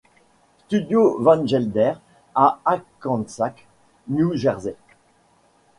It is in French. Studio Van Gelder à Hackensack, New Jersey.